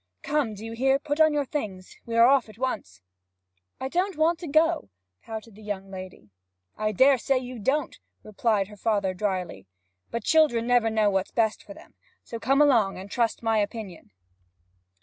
Come, do you hear? Put on your things; we are off at once.' 'I don't want to go!' pouted the young lady. 'I daresay you don't,' replied her father drily. 'But children never know what's best for them. So come along, and trust to my opinion.'